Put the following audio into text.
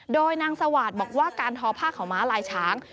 โดยนางสวาสตร์บอกว่าการทอผ้าขาวม้าลายช้าง